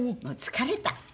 もう疲れた。